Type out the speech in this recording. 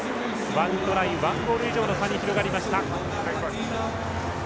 １トライ１ゴール以上の差に広がりました。